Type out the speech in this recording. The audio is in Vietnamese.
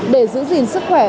để giữ gìn sức khỏe